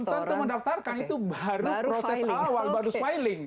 belum tentu mendaftarkan itu baru proses awal baru filing